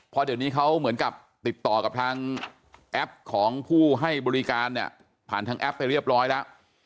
เพราะเดี๋ยวนี้เขาเหมือนกับติดต่อกับทางแอปของผู้ให้บริการเนี่ยผ่านทางแอปไปเรียบร้อยแล้ว